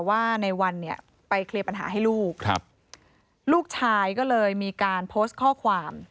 ว่าในวันเนี่ยไปเคลียร์ปัญหาให้ลูกครับลูกชายก็เลยมีการโพสต์ข้อความ